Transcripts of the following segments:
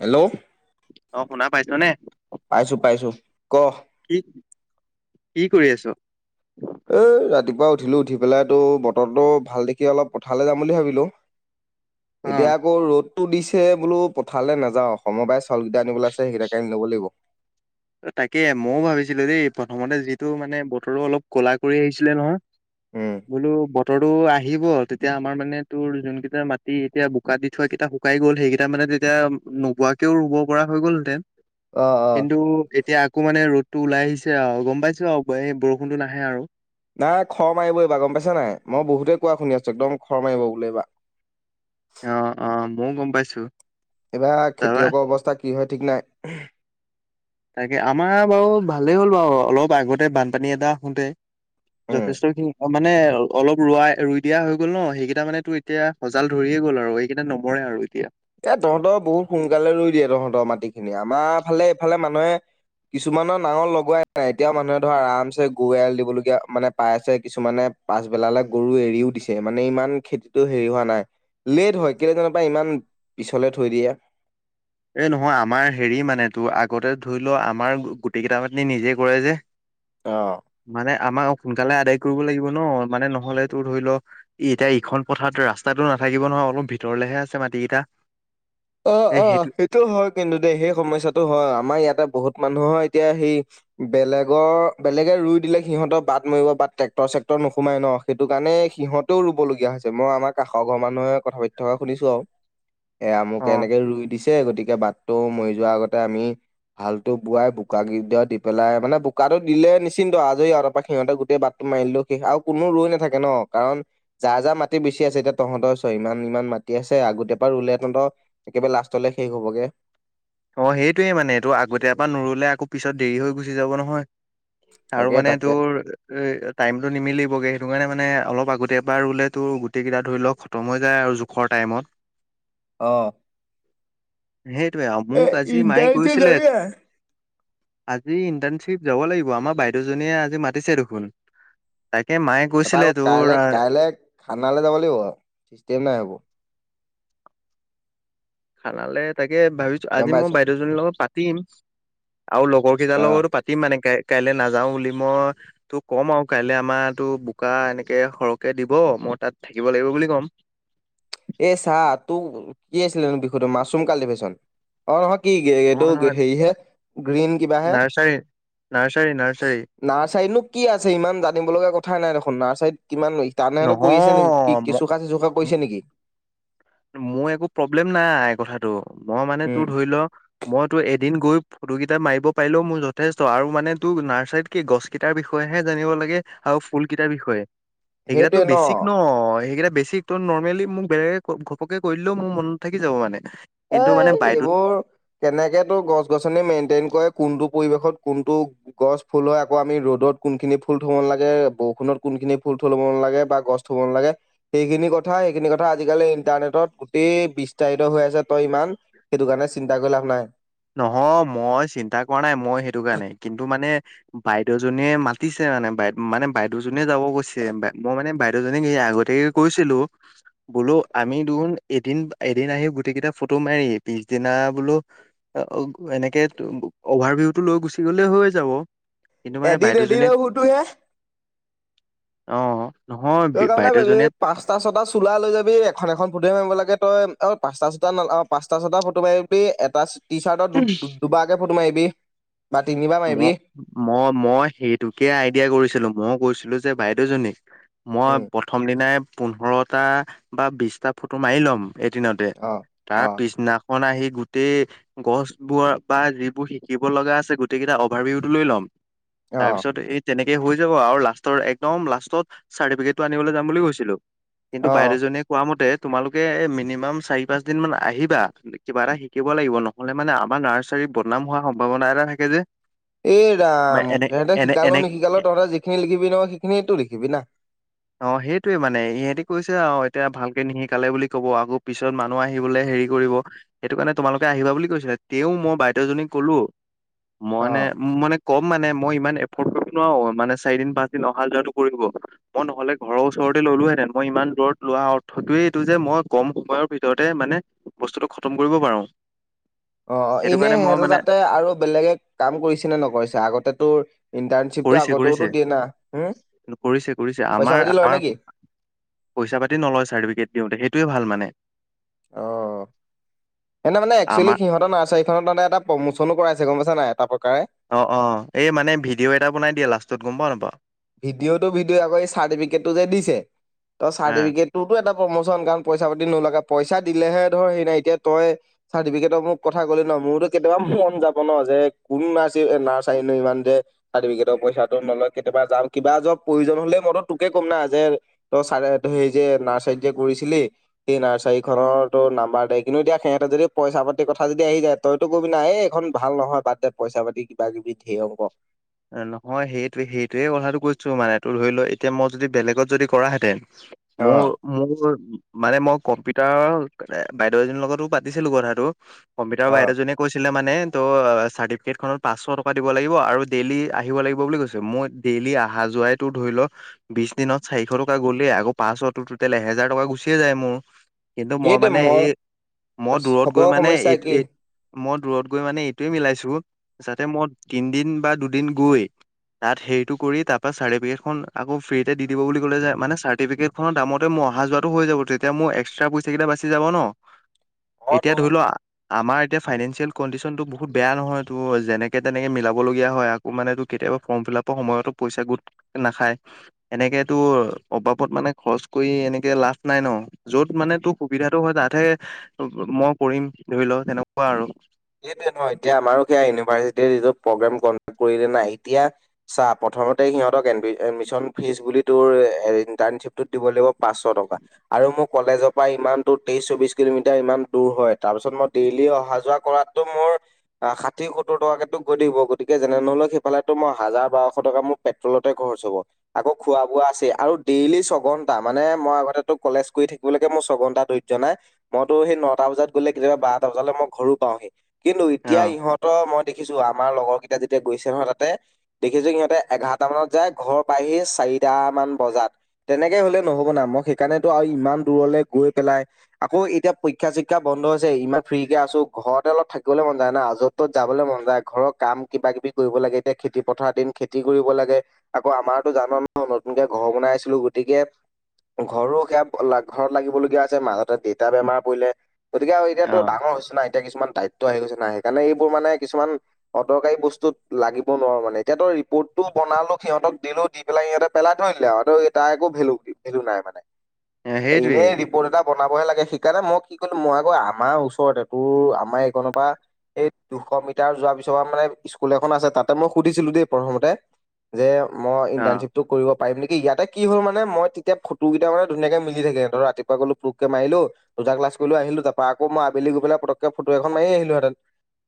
Hello. অ' শুনা পাইছা নে? পাইছো পাইছো, ক'। কি, কি কৰি আছ? এ ৰাতিপুৱা উঠিলোঁ, উঠি পেলাই তোৰ বতৰটো ভাল দেখি অলপ পথাৰলৈ যাম বুলি ভাবিলো। [inaudible] এতিয়া আকৌ ৰ'দ টো দিছে বোলো পথাৰলে নাযাওঁ, সময়াই চাউলকেইটা আনিবলৈ আছে সেইকেইটাকে আনি ল'ব লাগিব। তাকে মইয়ো ভাবিছিলোঁ দেই প্ৰথমতে যিটো মানে বতৰো অলপ ক'লা কৰি আহিছিলে নহয়। উম। বোলো বতৰটো আহিব তেতিয়া আমাৰ মানে তোৰ যোনকেইটা মাটি এতিয়া বোকা দি থোৱা কেইটা শুকাই গ'ল সেইকেইটা মানে তেতিয়া নোহোৱাকেও ৰুব পৰা হৈ গ'ল হেতেন, অ অ কিন্তু এতিয়া আকৌ মানে ৰ'দটো ওলাই আহিছে আৰু গম পাইছো আৰু এই বৰষুণতটো নাহে আৰু। নাই খৰ মাৰিব এইবাৰ গম পাইছা নাই মই বহুতেই কোৱা শুনি আছো একদম খৰ মাৰিব বোলে এইবাৰ। অ' অ' মইয়ো গম পাইছো। এইবাৰ তাৰপা খেতিয়কৰ অৱস্থা কি হয় ঠিক নাই। তাকে আমাৰ বাৰু ভালেই হ'ল বাৰু অলপ আগতে বানপানী এটা আহোঁতে উম যথেষ্টখিনি অ মানে অলপ ৰৱাই ৰুই দিয়া হৈ গ'ল ন, সেইকেইটা মানে তোৰ এতিয়া সজাল ধৰিয়ে গ'ল আৰু এই সেইকেইটা নমৰে আৰু এতিয়া। এ তহঁতৰ বহুত সোনকালে ৰুই দিয়ে তহঁতৰ মাটি খিনি আমাৰ ফালে এইফালে মানুহে কিছুমানৰ নাঙল লগোৱাই নাই এতিয়াও মানুহে ধৰ আৰামছে গৰু এৰাল দিবলগীয়া মানে পাই আছে কিছুমানে পাছবেলালে গৰু এৰিও দিছে মানে ইমান খেতিটো হেৰি হোৱা নাই। লেট হয় কিয় জানো পাই ইমান পিছলে থৈ দিয়ে। এ নহয় আমাৰ হেৰি মানে তোৰ আগতে ধৰি লও আমাৰ গোটেই কেইদৰা মাটি নিজে কৰে যে। [inaudible] অ। মানে আমাৰ সোনকালে আদায় কৰিব লাগিব ন মানে নহলে তোৰ ধৰি লও এতিয়া ইখন পথাৰত ৰাস্তাতো নাথাকিব নহয় অলপ ভিতৰলেহে আছে মাটি কেইটা। অ অ সেইটো হয় কিন্তু দেই সেই সমস্যাটো হয় আমাৰ ইয়াতে বহুত মানুহৰ এতিয়া সেই বেলেগৰ বেলেগে ৰুই দিলে সিহঁতৰ বাট মৰিব বা টেক্টৰ চেক্টৰ নোসোমাই ন। সেইটো কাৰণে সিহতেও ৰুবলগীয়া হৈছে মই আমাৰ কাষৰ ঘৰ মানুহে কথা পাতি থকা শুনিছো আৰু। এ অ', আমুকে এনেকে ৰুই দিছে গতিকে বাটটো মৰি যোৱাৰ আগতে আমি হালটো বোৱাই বোকা গদ দি পেলাই মানে ব বোকাটো দিলে নিশ্চিন্ত আজৰি আৰু তাৰপ পৰা সিহঁতে গোটেই বাটটো মাৰিলেও শেষ আৰু কোনো ৰৈ নাথাকে ন কাৰণ যাৰ যাৰ মাটি বেছি আছে এতিয়া তহঁতৰ ছ ইমান ইমান মাটি আছে আগতীয়া পৰা ৰুলে তহঁত একেবাৰে লাষ্টলে শেষ হবগে। অ সেইটোয়ে মানে এইটো আগতীয়াৰ পৰা নোৰলে আকৌ পিছত দেৰি হৈ গুচি যাব নহয়। আৰু তাকে মানে তাকে তোৰ এ টাইমটো নিমিলিবগে সেইটো কাৰণে মানে অলপ আগতীয়া পৰা ৰুলে তো গোটেই কেইটা ধৰি লওঁক। খতম হৈ যায় আৰু জোখৰ টাইমত। অ। সেইটোৱে এ মোক আজি মায়ে ইণ্টাৰেষ্টে কৈছিলে। যাবি নাই? আজি ইণ্টাৰ্ণশ্বিপ যাব লাগিব আমাৰ বাইদেউজনীয়ে আজি মাতিছে দেখোন। তাকে মায়ে তাৰাপা কৈছিলে আকৌ তোৰ কাই আহ, কাইলে থানালে যাব লাগিব আৰু চিষ্টেম নাই সেইবোৰ। খানালে তাকে ভাবিছো গম আজি পাইছ? মই বাইদেউজনীৰ লগত পাতিম, আৰু লগৰ কেইটাৰ অ' লগতো পাত পাতিম মানে ক কাইলে নাযাও বুলি মই ত' ক'ম আৰু কাইলে আমাৰটো বোকা এনেকে সৰহকে দিব মই তাত থাকিব লাগিব বুলি ক'ম। এ চাহ তো কি আছিলে বিষয়টো মাছৰুম কাল্টিভেশ্যন। অ অহ কি এইটো নহয় নহয় হেৰিহে গ্ৰীণ কিবা হে নাৰ্চাৰী নাৰ্চাৰী নাৰ্চাৰী। নাৰ্চাৰীনো কি আছে ইমান জানিব লগা কথাই নাই দেখোন নাৰ্চাৰীত কিমান তাৰ আৰু কৰি আছে নেকি নহয় কি ম- চোকা চে চুকা ম- কৰিছে নেকি মোৰ একো প্ৰব্লেম নাই কথাটো মই মানে উম তোৰ ধৰি ল, মই তোৰ এদিন গৈ ফটো কেইটা মাৰিব পাৰিলেও মোৰ যথেষ্ট আৰু মানে তোৰ নাৰ্চাৰীত, কি গছ কেইটাৰ বিষয়েহে জানিব লাগে আৰু ফুল কেইটাৰ বিষয়ে। সেইকেইটাটো বেছিক ন সেইকেইটা বেছিক ত নৰ্মেলি মোক বেলেগ, ঘ ঘপকে কৰিলেও মোৰ মনত থাকি যাব মানে। কিন্তু মানে এই বাইদেউ এইবোৰ, কেনেকে তো গছ গছনি মেইনটেইন কৰে কোনটো পৰিৱেশত কোনটো, গছ ফুল হয় আকৌ আমি ৰ'দত কোনখিনি ফুল থ'ব নালাগে বৰষুণত কোনখিনি ফুল থ'ব নালাগে বা গছ, থব নালাগে সেইখিনি কথা সেইখিনি কথা আজিকালি ইন্টাৰনেটত গোটেই বিস্তাৰিত হৈ আছে, তই ইমান সেইটো কাৰণে চিন্তা কৰি লাভ নাই। নহয় মই চিন্তা কৰা নাই মই সেইটো কাৰণে কিন্তু মানে, বাইদেউ জনীয়ে মাতিছে মানে বাই মানে বাইদেউজনীয়ে যাব গৈছে বা মই মানে বাইদেউজনীক এ আগতে, কৈছিলো। বোলো আমি দেখোন এদিন এদিন আহি গোটেই কেইটা ফটো মাৰি পিছদিনা বোলো। অঁ অ এনেকে অভাৰ ভিউটো লৈ গুচি গ'লে হৈ যাব। কিন্তু মানে এদিন এদিন বাইদেউজনীক, ফটো হে অ'। নহয় বি তই কাম এটা কৰিবি বাইদেউজনী, এই পাঁচটা ছটা চোলা লৈ যাবি এখন এখন ফটো মাৰিব হে লাগে তই আৰু পাঁচটা ছটা ন' পাঁচটা ছটা ফটো মাৰিবি। এ এটা টিচাৰ্টত দু দুবাৰকৈ ফটো মাৰিবি বা তিনিবাৰ মই মাৰিবি। মই মই সেইটোকে আইডিয়া কৰিছিলো মই কৈছিলো যে বাইদেউ জনীক মই প্ৰ, উম প্ৰথম দিনাই পোন্ধৰটা বা বিছটা ফটো মাৰি ল'ম। এদিনতে অ তাৰ অ পিছদিনা, মান আহি গোটেই গছ বোৰ পা যিবোৰ শিকিব লগা আছে গ গোটেইকেইটা অভাৰভিউ টো লৈ ল'ম অ', তাৰপিছত এই তেনেকে হৈ যাব আৰু লাষ্টৰ একদম লাষ্টত চাৰ্টিফিকেটটো আনিবলৈ যাম বুলি কৈছিলো। কিন্তু অ'। বাইদেউজনীয়ে কোৱা মতে তোমালোকে এ মিনিমাম চাৰি পাঁচ দিন মান আহিবা। কিবা এটা শিকিব লাগিব নহলে মানে আমাৰ নাৰ্চাৰীৰ বদনাম হোৱাৰ সম্ভাৱনা এটা থাকে যে, এই মা ৰাম এনে সিহঁতে এনে শিকালো এনে নিখিকালো তহঁতে যিখিনি লিখিবি নহয় সেইখিনিয়েটো লিখিবি না। [inaudible] অ' সেইটোৱে মানে ইহঁতি কৈছে অ' এতিয়া ভালকে নিশিকালে বুলি ক'ব আকৌ পিছত মানুহ আহিবলৈ হেৰি কৰিব। সেইটো কাৰণে তোমালোকে আহিবা বুলি কৈছিলা তেওঁ মই বাইদেউজনীক ক'লো মই অ', মানে ক'ম মানে মই ইমান এফৰ্ড কৰিব নোৱাৰো মানে চাৰিদিন পাঁচ দিন অহা যোৱাটো কৰিব। মই নহ'লে ঘৰৰ ওচৰতে ল'লোহেঁতেন মই ইমান দূৰত লোৱা অৰ্থটোৱেই এইটো যে মই কম সময়ৰ ভিতৰতে মানে, বস্তুটো খতম কৰিব পাৰো। অ', অ', সেইটো এনে কাৰণে মই সিহঁতে মানে যাতে আৰু বেলেগে কাম কৰিছে নে নকৰিছে আগতে তোৰ, ইণ্টাৰ্ণশ্বিপটো কৰিছে আগতেওতো কৰিছে দিয়ে না হম, কৰিছে কৰিছে পইচা আমাৰ পাতি লয় আমাৰ নেকি? পইচা পাতি নলয় চাৰ্টিফিকেট দিওঁতেই সেইটোৱে ভাল মানে। অ' এনে মানে একচুৱেলি আমাৰ সিহঁতৰ নাৰ্চাৰী, তাহতে মানে এটা প্ৰমোচনো কৰাইছে গ'ম পাইছে নাই এটা প্ৰকাৰে। অ', অ', এই মানে ভিডিঅ' এটা বনাই দিয়া লাষ্টত গ'ম পাওঁ নাপও, ভিডিঅ'টো ভিডিঅ আকৌ চাৰ্টিফিকেটটো যে দিছে, তই হা চাৰ্টিফিকেট, তোৰতো এটা প্ৰমোচন কাৰণ পইচা পাতি নলগা পইচা দিলেহে ধৰ হেৰি নাই এতিয়া তই, চাৰ্টিফিকেটৰ মোক কথা ক'লে ন' মোৰতো কেতিয়াবা মন যাব ন' যে কোন নাৰ্চ নাৰ্চাৰী ন' ইমান যে, চাৰ্টিফিকেটৰ পইচাটো নলয় কেতিয়াবা যাম, কিবা যে প্ৰয়োজন হ'লেই মইতো তোকে ক'ম না যে তই সেই যে নাৰ্চাৰীত যে কৰিছিলি। সেই নাৰ্চাৰী খনৰতো নাম্বাৰ দে কিন্তু এতিয়া সিহঁতে যদি পইচা পাতি কথা যদি আহি যায়। তইতো কবি নাই এইখন ভাল নহয় বাদ দে পইচা পাতি কিবা কিবি ধেৰ হ'ব। নহয় সেইটো সেইটোয়ে কথাটো কৈছো মানে তোৰ ধৰি লোৱা এতিয়া মই যদি বেলেগত যদি কৰাহেঁতেন। মোৰ অ'। মোৰ ঘৰত মানে মই কম্পিউটাৰৰ বাইদেউ এজনীৰ লগতো পাতিছিলো কথাটো। কম্পিউটাৰৰ অ বাইদেউ জনেীয়ে কৈছিলে মানে ত' চাৰ্টিফিকেট খনত পাঁচশ টকা দিব লাগিব আৰু ডেইলি আহিব লাগিব বুলি কৈছে মই ডেইলি অহা যোৱাইতো ধৰি লো বিশ দিনত চাৰিশ টকা গ'লেই আকৌ পাঁচশ টুটেল এহেজাৰ টকা গুচিয়ে যায় মোৰ। কিন্তু মই মানে এই মই দূৰত গৈ চবৰ মানে সমস্যা এই একেই এই মই দূৰত গৈ মানে এইটোৱেই মিলাইছো যাতে মই তিনদিন বা দুদিন গৈ তাত হেৰিটো কৰি তাৰ পৰা চাৰ্টিফিকেটখন আকৌ ফ্ৰী দি দিব বুলি ক'লে যে মানে চাৰ্টিফিকেট খনৰ দামতেই অহা যোৱাতটো হৈ যাব তেতিয়া মোৰ এক্সট্ৰা পইচা কেইটা বাচি যাব ন'। অ এতিয়া তো ধৰি লোৱা আমাৰ এতিয়া ফাইনেন্সিয়েল কণ্ডিশনটো বহুত বেয়া নহয় তো যেনেকে তেনেকে মিলাবলগীয়া হয়। মানেটো কেতিয়াবা ফৰ্ম ফিলাপৰ সময়তো পইচা গোট নাখায়। এনেক তোৰ অবাবত মানে খৰচ কৰি এনেকে লাভ নাই ন'। য'ত মানে তোৰ সুবিধাটো হয় তাতহে মই কৰিম ধৰি ল' তেনেকুৱা আৰু। সেইটোৱে তোমাৰ এতিয়া আমাৰো সেয়া ইউনিভাৰ্চিটিত এইটো প্ৰগ্ৰেম কমপ্লিট কৰিলে নাই এতিয়া চা প্ৰথমতে সিহঁতক এডমিশন ফিজ বুলি তোৰ ইণ্টাৰ্ণশ্বিপ টোত দিব লাগিব পাঁচশ টকা আৰু মোৰ কলেজৰ পৰা ইমান দূৰ তেইশ চৌবিশ কিলোমিটাৰ ইমান দূৰ হয় তাৰপি ছত মই ডেইলি অহা যোৱা কৰাত টো মোৰ ষাঠি সত্তৰ টকাকেতো গৈ থাকিব গতিকে যেনে তেনে ললেও সিফালেতো মই হাজাৰ বাৰশ টকা মোৰ পেট্ৰলতে খৰচ হ'ব আকৌ খোৱা বোৱা আছেই আৰু ডেইলি ছঘন্টা মানে মই আগতে তো কলেজ কৰি থাকি মোৰ তাকে ছঘন্টা দৈৰ্য নাই মইতো সেই নটা বজাত গ'লে কেতিয়াবা বাৰটা বজালৈ মই ঘৰো পাওঁহি কিন্তু অ এতিয়া ইহঁতৰ মই দেখিছো আমাৰ লগৰ কেইটা যেতিয়া গৈছে নহয় তাতে দেখিছো সিহঁতে এঘাৰটা মানত যায় ঘৰ পাইহি চাৰিটা মান বজাত। তেনেকে হ'লে নহব না মই সেইকাৰণেতো আৰু ইমান দূৰলে গৈ পেলাই আকৌ এতিয়া পৰীক্ষা চৰিক্ষা বন্ধ হৈছে ইমান ফ্ৰীকে আছো ঘৰতে অলপ থা যাবলৈ মন যায় না য'ত তত যাবলৈ মন যায় ঘৰৰ কাম কিবা কিবি কৰিব লাগে এতিয়া খেতি পথাৰ দিন খেতি কৰিব লাগে। আকৌ আমাৰতো জানো নহ নতুনকে ঘৰ বনাই আছিলো গতিকে ঘৰো সেয়া ঘৰত লাগিবলগীয়া হৈছে মাজতে দেউতা বেমাৰ পৰিলে। গতিকে আৰু অ এতিয়াতো ডাঙৰ হৈছে না এতিয়া কিছুমান দায়িত্ব আহি গৈছে নাই সেইকাৰণে এইবোৰ মানে কিছুমান অদৰকাৰী বস্তুত লাগিব নোৱাৰো মানে এতিয়া তই ৰিপৰ্টটো বনালো সিহঁতক দিলো এইবিলাক ইহতে পেলাই থৈ দিলে আৰু তাই একো ভেলু দি ভেলু নাই মানে [inaudible] ইনে সেইটোৱেই ৰিপৰ্ট এটা বনাবহে লাগে সেইকাৰণে মই কি কৰিলো মই আকৌ আমাৰ ওচৰতে তোৰ আমাৰ এইখনৰ পৰা এই দুশ মিটাৰ যোৱাৰ পিছৰ পৰা মানে স্কুল এখন আছে তাতে মই সুধিছিলো দেই প্ৰথমতে, যে মই অ ইণ্টাৰ্শিপ টো কৰিব পাৰিম নেকি ইয়াতে কি হল মানে মই তেতিয়া ফটো কেইটা মানে ধুনীয়াকে মিলি থাকে সিহঁতৰ ৰাতীপোৱা গলো পুটোককে মাৰিলোঁ, দুটা ক্লাছ কৰিলোঁ আহিলো তাৰপা আকৌ মই আবেলি গৈ পেলাই পতককে ফটো এখন খন মাৰিএ আহিলো হেতেন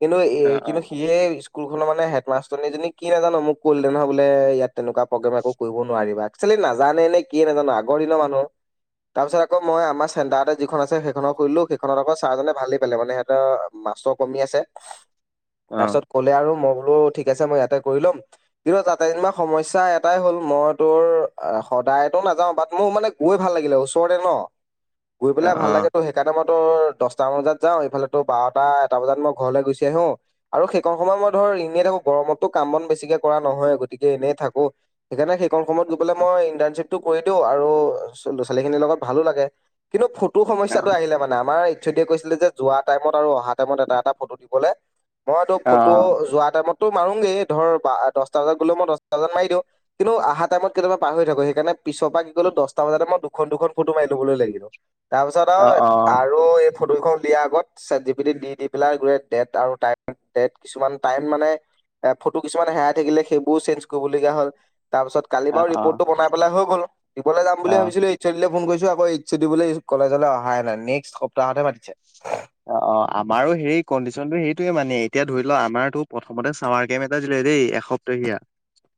কিন্তু এ অ অ কিন্তু সিয়ে স্কুলখনৰ মানে হেডমাষ্টৰীজনী কি নাজানো মোক কই দিলে নহয় বোলে ইয়াত তেনেকুৱা প্ৰগ্ৰেম একৌ কৰিব নোৱাৰিবা। একচুৱেলি নাজানে নে কি নাজানো আগৰ দিনৰ মানুহ। তাৰ পিছত আকৌ মই আমাৰ চেণ্টাৰতে যিখন আছে সেইখনৰ সুধিলো সেইখনত আকৌ ছাৰজনে ভালে পালে, মানে সিহঁতৰ - মাৰ্ক্স কমি আছে, অ তাৰপিছত কলে আৰু মই বোলো ঠিক আছে মই ইয়াতে কৰি ল'ম- কিন্তু তাতে যেনিবা সমস্যা এটাই হ'ল, মই তোৰ সদায়তো নাযাও বাট মোৰ মানে - গৈ ভাল লাগিলে, ওচৰতে ন। [inaudible] গৈ পেলাই ভাল লাগে তো অ সেইকাৰনে মই টোৰ দহটামান বজাত যাওঁ এইফালেতো - বাৰটা এটা বজাত মই ঘৰলে গুচি আহো। আৰু সেইকণ সময় মই ধৰ এনেই থাকো গৰমতো কাম বন বেছিকে কৰা নহয় গতিকে এনেই থাকো - সেইকাৰণে সেইকণ সময়ত গৈ পেলাই মই ইণ্টাৰ্ণশ্বিপ টো কৰি দিওঁ আৰু লৰা ছোৱালী খিনিৰ লগত ভালো লাগে। কিন্তু ফটো সমস্যাটো আহিলে মানে আমাৰ এইচ আই দিয়ে কৈছিলে যে যোৱা টাইমত আৰু অহা টাইমত এটা এটা ফটো দিবলে মইটো অ ফটো অ যোৱা টাইমত- টো মাৰোংগে ধৰ দহটা বজাত গলেও মই দহটা বজাত মাৰি দিওঁ - কিন্তু আহা তাইমত কেতিয়াবা পাহৰি থাকোঁ সেইকাৰণে পিছপা কি কৰিলো দছটা বজাতে মই দুখন দুখন ফটো মাৰি লবলৈ লাগি গ- লো। তাৰ পিছত অ আও অ আৰু এই ফটো কেইখন দিয়াৰ আগত - চেটজিপিতিত দি দি পেলাই গোটেই ডেট আৰু টাইট তেত কিছুমান টাইম মানে - এ ফটো কিছুমানে হেৰাই থাকিলে সেইবোৰও চেঞ্জ কৰিবলগীয়া হ'ল। তাৰ পাছত কালি অ বাৰু অ ৰিপৰ্টটো বনাই পেলাই হৈ গল দিবলে যাম অ বুলি ভাবিচিলো এই - এইচ‌অদি লে ফোন কৰিছো আকৌ এইচ‌অদি বুলে কলেজলে অহাই নাই নেক্সট সপ্তাহতে মাতিছে। অ অ আমাৰো সেই কণ্ডিশ্যনটো সেইটোৱে মানে এতিয়া ধৰি লোৱা আমাৰটো প্ৰথমতে চাৱাৰ কেম এটা দিলে দেই এসপ- তলীয়া।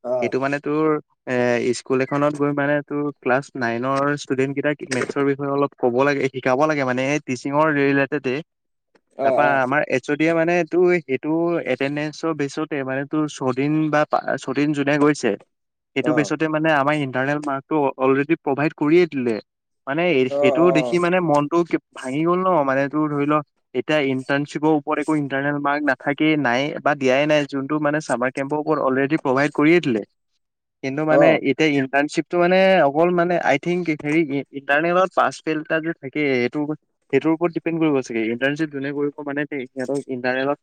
অ', সেইটো মানে তোৰ - এ স্কুল এখনত গৈ মানে তোৰ ক্লাছ নাইনৰ ষ্টুডেন্ট কেইটাক মেথছৰ বিষয়ে অলপ - ক'ব লাগে শিকাব লাগে মানে এই টিচিঙৰ ৰেইলটেতে, অ', তাৰপা অ', আমাৰ এচ- অদিয়ে মানে তোৰ সেইটো এটেডেঞ্চৰ বেচতে মানে তোৰ ছদিন বা পা ছদিন যোনে গৈছে - সেইটো অ', বেছতে মানে আমাৰ ইন্টাৰনেল মাৰ্কটো অলৰেডি প্ৰভাইড কৰিয়ে দিলে। মানে, সেইটো দেখি অ', মানে মনটো ভাঙি গ'ল ন মানে, - টো ধৰিল এতিয়া ইন্টাৰ্শিপৰ ওপৰত একো ইন্টাৰ্নেল মাৰ্ক নাথাকে নাইয়ে, বা দিয়াই নাই - যোনটো মানে চামাৰ কেম্পৰ ওপৰত অলৰেডি প্ৰভাইড কৰিয়ে দিলে। কিন্তু মানে, অ', এতিয়া ইণ্টাৰ্ণশ্বিপটো মানে অকল মানে, আই- থিংক হেৰি ইন্টাৰনেলট পাছ ফেইল এটা যে থাকে সেইটো সেইটোৰ ওপৰত ডি- পেন কৰিব চাগে। ইন্টাৰ্ণশ্বিপ যোনে কৰিব মানে সেই হেতক ইন্টাৰনেলট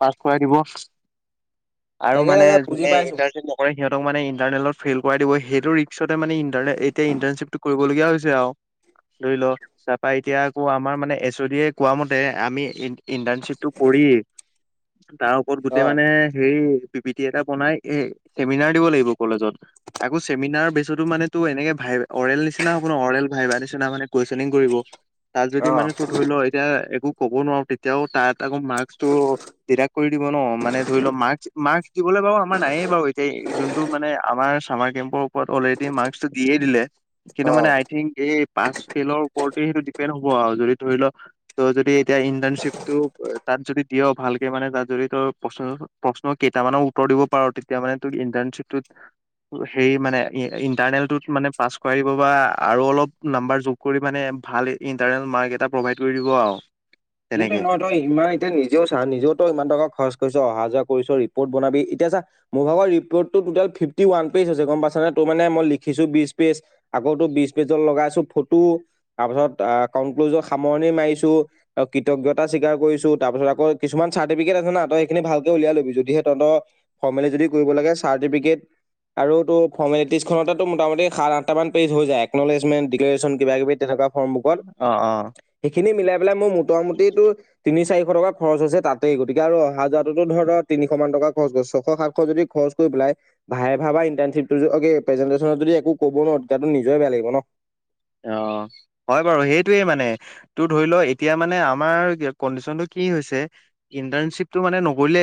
পাছ কৰাই দিব - আৰু তাকে মানে তাকে বুজি যোনে পাইছো। ইন্টাৰ্ণশ্বিপ ন- কৰে, সিহঁতক মানে ইটাৰনেলত ফেইল কৰাই দিব সেইটো ৰিক্সটে মানে ইণ্টাৰনেল এতিয়া ইণ্টাৰ্ণশ্বিপটো কৰিবলগীয়া হৈছে আও। ধৰিল তাৰপা এতিয়া আকৌ আমাৰ মানে এ- ইচ‌ওদিয়ে কোৱা মতে আমি ইন - ইন্টাৰ্নশ্বিপটো কৰি, তাৰ - কত গোটেই অ', মানে হে বি পি টি এটা বনাই এ চেমিনাৰ দিব লাগিব কলেজত। আকৌ চেমিনাৰ বেছতো মানে তোৰ এনেকে ভাই অৰেল নিচিনা হব নই অৰেল ভাইবাৰ নিচিনা মানে - কুৱেচনিং কৰিব, তাত যদি অ'। মানে - টো ধৰিল, এতিয়া একো কব নোৱাৰো তেতিয়াও তাত আকৌ মাৰ্ক্সটো - দিদাক কৰি দিব ন, মানে ধৰিল মাৰ্ক্স মাৰ্ক্স দিবলে বাৰু আমাৰ নাইয়ে বাৰু এতিয়া যোনটো মানে আমাৰ চামাৰ - কেম্পৰ ওপৰত অলৰেডি মাৰ্ক্সটো দিয়ে দিলে। কিন্তু অ'। মানে আই থিংক এই পাচ ফেইলৰ ওপৰতে সেইটো ডিপেণ্ড হ'ব আৰু যদি ধৰিল - তই যদি এতিয়া ইন্টাৰ্ণশ্বিপ টো তাত যদি দিয় ভালকে মানে তাত যদি তই প্ৰশ্নকেইখন - প্ৰশ্ন কেইটামানৰ উত্তৰ দিব পাৰ। তেতিয়া মানে তোৰ ইন্টাৰ্ণশ্বিপটোত - হেৰি মানে ইন্টাৰনেলটোত মানে পাছ কৰাই দিব বা আৰু অলপ নাম্বাৰ যোগ - কৰি মানে ভাল ইন্টাৰনেল মাৰ্ক এটা প্ৰভাইড কৰি দিব আৰু। ইৰিতিং তেনেকে ন [unintelligible] তই ইমান এতিয়া নিজেও চা, নিজেও তই ইমান টকা খৰচ কৰিছ, অহা যোৱা কৰিছ, ৰিপৰ্ট বনাবি এতিয়া চা মোৰ ভাগৰ ৰিপ'ৰ্টটো ফিফটি ওৱান পেজ আছে, গম পাইছনে? তোৰ মানে মই লিখিছোঁ বিশ পেজ আকৌ তোৰ বিজ পেজত লগাইছো ফটো, তাৰপিছত কনক্লুজৰ সামৰণি মাৰিছোঁ। আৰু কৃতজ্ঞতা স্বীকাৰ কৰিছোঁ, তাৰ পিছত আকৌ কিছুমান চাৰ্টিফিকেট আছে না, তই সেইখিনি ভালকে উলিয়াই ল'বি, যদিহে তহঁতৰ ফৰ্মেলি যদি কৰিব লাগে, চাৰ্টিফিকেট আৰু তোৰ ফৰ্মেলিটিজখনতেটো মোটামুতি সাত আঠটামান পেজ হৈ যায়, একন'লেজমেণ্ট, ডিক্লেৰেশ্যন কিবা কিবি তেনেকুৱা। সন্মুখত, অ অ'। সেইখিনি মিলাই পেলাই মোৰ মোটামুটি তোৰ তিনি চাৰিশ টকা খৰচ হৈছে তাতেই, গতিকে অহা যোৱাতোতো ধৰ তোৰ তিনিশ মান টকা খৰচ হ'ল, ছয়শ সাতশ যদি খৰচ পেলাই ভাইভা বা ইণ্টাৰ্ণচিপ প্ৰেজেটেশনত যদি একো ক'ব নোৱাৰোঁ, তেতিয়াতো নিজৰেই বেয়া লাগিব ন। অ'। হয় বাৰু সেইটোৱেই মানে, তোৰ ধৰি ল', এতিয়া মানে আমাৰ কণ্ডিচনটো কি হৈছে? ইন্তৰ্ণশিপটো মানে নকৰিলে